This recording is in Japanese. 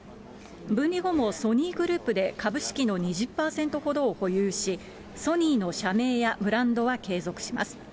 分離後もソニーグループで株式の２０％ほどを保有し、ソニーの社名やブランドは継続します。